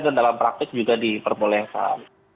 dan dalam praktik juga diperbolehkan